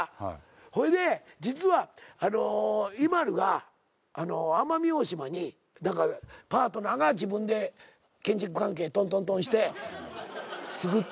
ほいで実はＩＭＡＬＵが奄美大島にパートナーが自分で建築関係とんとんとんして造った。